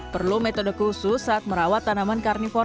perlu metode khusus saat merawat tanaman yang terkenal di rumahnya